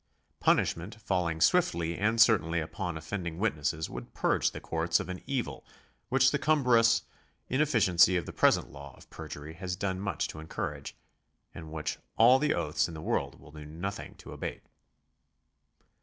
Punishment falling swiftly and certainly upon offending witnesses would purge the courts of an evil which the cumbrous inefficiency of the present law of perjury has done much to encourage, and which all the oaths in the world will do nothing to abate.